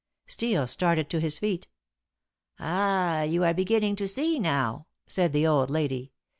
Steel started to his feet. "Ah, you are beginning to see now!" said the old lady.